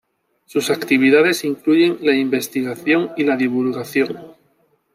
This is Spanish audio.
Sus actividades incluyen la investigación y la divulgación.